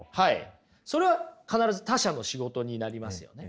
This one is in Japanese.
それは必ず他者の仕事になりますよね。